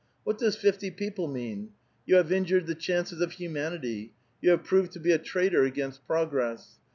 What does fifty people mean? You have injured the chances of humanity ; you have proveil to be a traitor against progress.